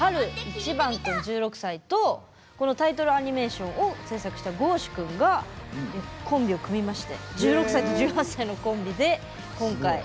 いちばん君、１６歳とタイトルアニメーションを制作したｇｏ‐ｓｈｕ君がコンビを組みまして１６歳と１８歳のコンビで、今回。